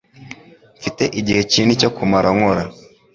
mfite igihe kinini cyo kumara nkora